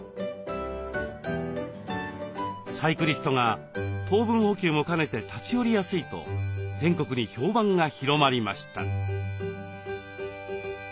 サイクリストが糖分補給も兼ねて立ち寄りやすいと全国に評判が広まりました。